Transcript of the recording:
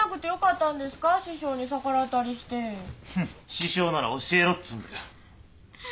師匠なら教えろっつーんだよ。